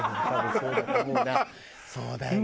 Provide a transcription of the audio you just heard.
そうだよね。